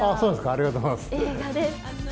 ありがとうございます。